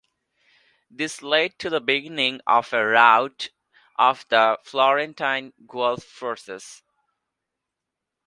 This led to the beginning of a rout of the Florentine-Guelph forces.